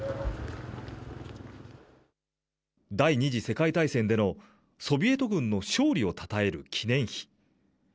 第２次世界大戦でのソビエト軍の勝利をたたえる記念碑。